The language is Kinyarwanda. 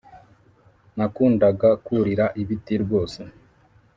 Nakundaga kurira ibiti rwose